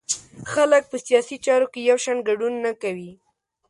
خلک په سیاسي چارو کې یو شان ګډون نه کوي.